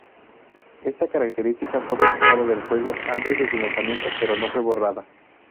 Esta característica fue bloqueada del juego antes de su lanzamiento, pero no fue borrada.